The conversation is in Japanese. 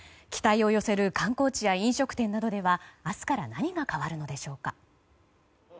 期待を寄せる観光地や飲食店などでは明日から何が変わるのでしょうか。